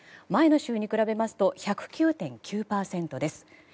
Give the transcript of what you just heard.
前の週に比べますと１０９．９％です。